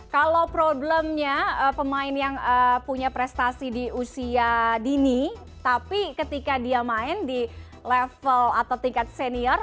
kalau problemnya pemain yang punya prestasi di usia dini tapi ketika dia main di level atau tingkat senior